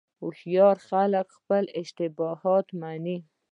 هوښیار خلک خپل اشتباهات مني.